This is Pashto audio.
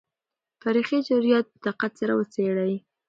تاریخي جریانات په دقت سره وڅېړئ.